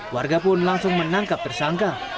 warga pun langsung menangkap tersangka